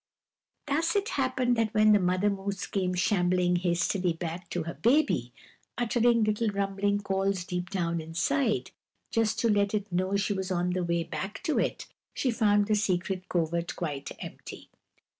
Thus it happened that when the mother moose came shambling hastily back to her baby, uttering little rumbling calls deep down inside, just to let it know she was on the way back to it, she found the secret covert quite empty.